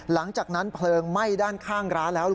หลังจากนั้นเพลิงไหม้ด้านข้างร้านแล้ว